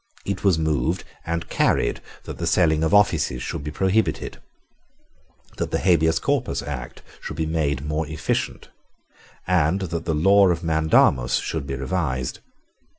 It was moved and carried that the selling of offices should be prohibited, that the Habeas Corpus Act should be made more efficient, and that the law of Mandamus should be revised.